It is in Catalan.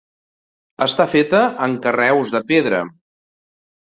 Està feta amb carreus de pedra.